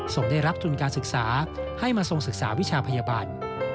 ได้รับทุนการศึกษาให้มาทรงศึกษาวิชาพยาบาล